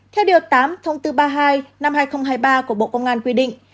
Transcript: theo điều tám thông tư ba mươi hai năm hai nghìn hai mươi ba của bộ công an quy định